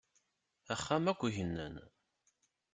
Axxam akk gnen.